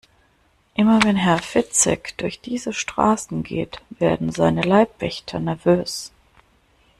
Immer wenn Herr Fitzek durch diese Straßen geht, werden seine Leibwächter nervös.